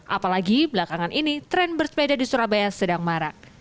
apalagi belakangan ini tren bersepeda di surabaya sedang marak